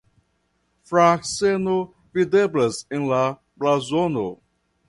Frakseno videblas en la blazono.